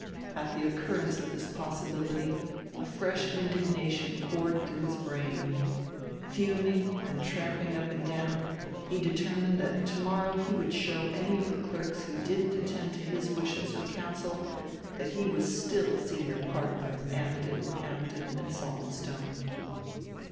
At the occurrence of this possibility a fresh indignation poured through his brain. Fuming and tramping up and down he determined that to morrow he would show any of the clerks who didn't attend to his wishes or counsel that he was still senior partner of Ammidon, Ammidon and Saltonstone.